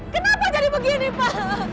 kenapa jadi begini pak